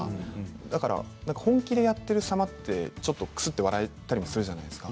だから本気でやっている様ってちょっとくすっと笑えたりするじゃないですか。